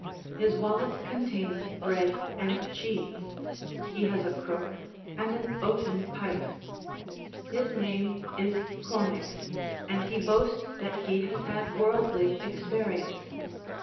His wallet contains bread and cheese; he has a crook, and an oaten pipe. His name is Cornix, and he boasts that he has had worldly experience.